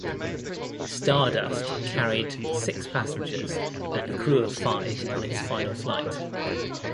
"Star Dust" carried six passengers and a crew of five on its final flight.